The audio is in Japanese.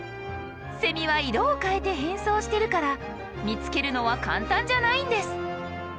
セミは色を変えて変装してるから見つけるのは簡単じゃないんです。